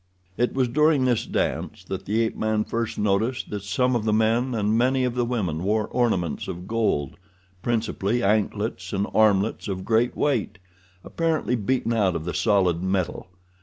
It was during this dance that the ape man first noticed that some of the men and many of the women wore ornaments of gold—principally anklets and armlets of great weight, apparently beaten out of the solid metal.